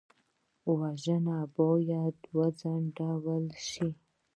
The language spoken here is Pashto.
وژنه باید وځنډول شي